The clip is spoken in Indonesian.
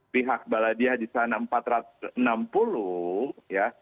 pihak baladiah di sana empat ratus enam puluh ya